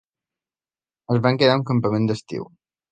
Es van quedar a un campament d'estiu.